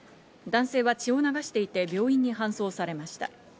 男性は血を流していて病院に搬送されました。